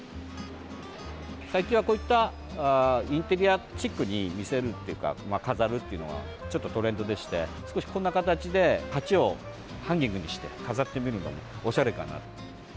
最近は、こういったインテリアチックに見せるっていうかまあ、飾るっていうのはちょっとトレンドでして少しこんな形で鉢をハンギングにして飾ってみるのもおしゃれかな。